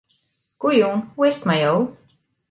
Goejûn, hoe is 't mei jo?